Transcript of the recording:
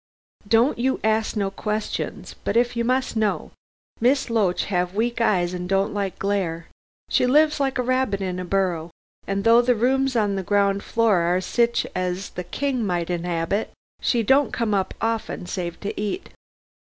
Don't you ask no questions but if you must know, Miss Loach have weak eyes and don't like glare. She lives like a rabbit in a burrow, and though the rooms on the ground floor are sich as the King might in'abit, she don't come up often save to eat.